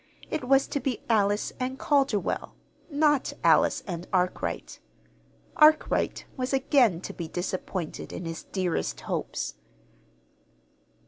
It was to be Alice and Calderwell, not Alice and Arkwright. Arkwright was again to be disappointed in his dearest hopes.